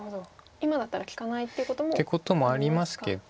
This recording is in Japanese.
今だったら利かないっていうことも。ってこともありますけど。